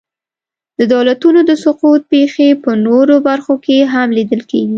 د دولتونو د سقوط پېښې په نورو برخو کې هم لیدل کېږي.